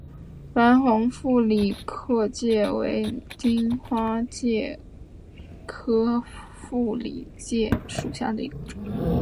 白虹副克里介为荆花介科副克里介属下的一个种。